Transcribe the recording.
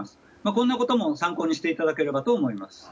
こんなことも参考にしていただければと思います。